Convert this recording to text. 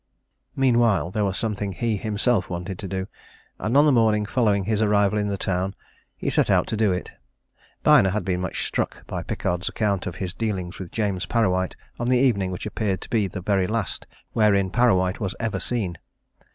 Meanwhile, there was something he himself wanted to do, and on the morning following his arrival in the town, he set out to do it. Byner had been much struck by Pickard's account of his dealings with James Parrawhite on the evening which appeared to be the very last wherein Parrawhite was ever seen.